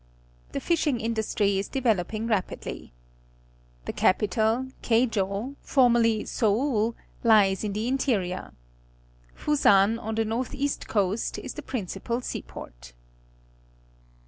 The J]~;hing industry is developing rapidly. The capital, Keij p, formerly Seoul, lies in the interior. EjiME^ on the south east coast, is the principal seaport.